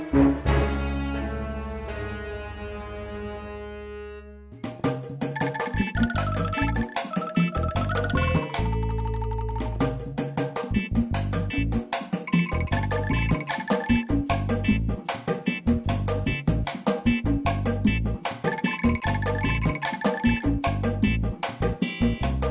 pak itu pelonel saya